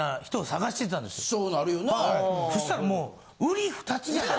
そしたらもう瓜二つじゃない。